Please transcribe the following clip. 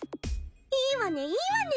いいわねいいわね！